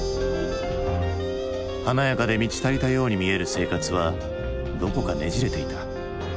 華やかで満ち足りたように見える生活はどこかねじれていた。